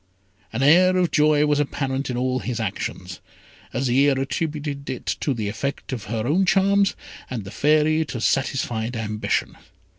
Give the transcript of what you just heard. An air of joy was apparent in all his actions. Azire attributed it to the effect of her own charms, and the Fairy to satisfied ambition.